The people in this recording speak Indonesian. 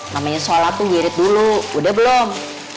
namanya sholat tuh ngirit dulu udah belum